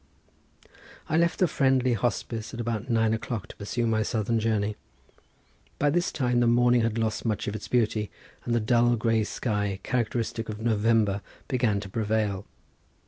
I left the friendly hospice at about nine o'clock to pursue my southern journey. By this time the morning had lost much of its beauty, and the dull grey sky characteristic of November began to prevail.